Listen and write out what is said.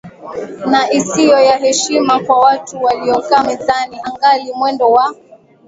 na isiyo ya heshima kwa watu waliokaa mezani Angalia mwendo wa